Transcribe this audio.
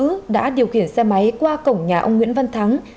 nữ đã điều khiển xe máy qua cổng nhà ông nguyễn văn thắng